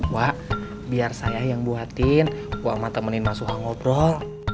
wak biar saya yang buatin gua sama temenin mas suha ngobrol